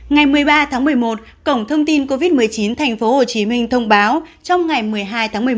ngày một mươi ba tháng một mươi một cổng thông tin covid một mươi chín tp hcm thông báo trong ngày một mươi hai tháng một mươi một